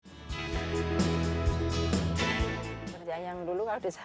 pesan pemberdayaan masyarakat desa